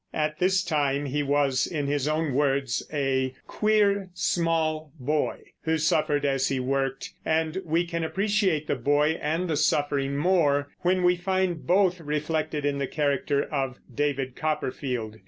At this time he was, in his own words, a "queer small boy," who suffered as he worked; and we can appreciate the boy and the suffering more when we find both reflected in the character of David Copperfield.